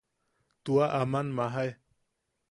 Tua, aman majae.